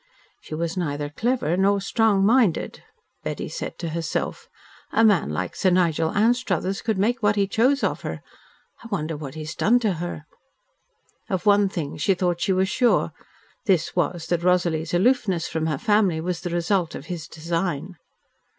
"She was neither clever nor strong minded," Betty said to herself. "A man like Sir Nigel Anstruthers could make what he chose of her. I wonder what he has done to her?" Of one thing she thought she was sure. This was that Rosalie's aloofness from her family was the result of his design.